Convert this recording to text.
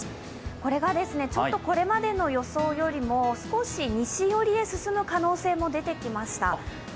これがちょっとこれまでの予想よりも少し西寄りへ進む可能性も出てきました。